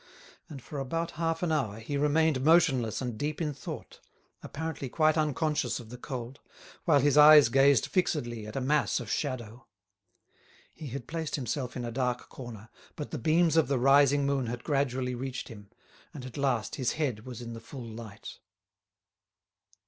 And for about half an hour he remained motionless and deep in thought, apparently quite unconscious of the cold, while his eyes gazed fixedly at a mass of shadow. He had placed himself in a dark corner, but the beams of the rising moon had gradually reached him, and at last his head was in the full light.